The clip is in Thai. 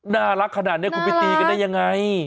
น่ารักขนาดนี้คุณไปตีกันได้ยังไง